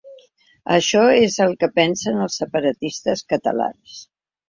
Això és el que pensen els separatistes catalans.